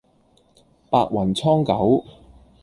白雲蒼狗